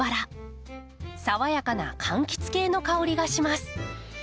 爽やかなかんきつ系の香りがします。